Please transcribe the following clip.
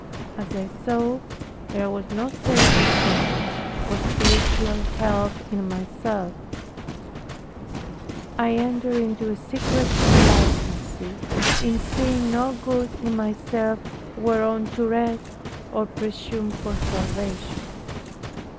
As I saw there was no safety for me, or spiritual health in myself, I entered into a secret complacency in seeing no good in myself whereon to rest, or presume for salvation.